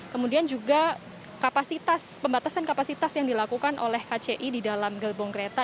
kemudian juga kapasitas pembatasan kapasitas yang dilakukan oleh kci di dalam gerbong kereta